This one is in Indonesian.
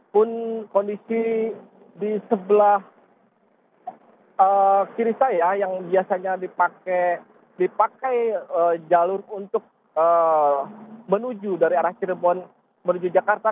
pun kondisi di sebelah kiri saya yang biasanya dipakai jalur untuk menuju dari arah cirebon menuju jakarta